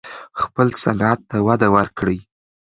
خپل صنعت ته وده ورکړئ.